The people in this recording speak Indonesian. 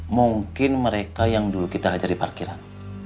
mungkin mereka yang dulu kita ajar di parkiran